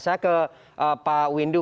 saya ke pak windu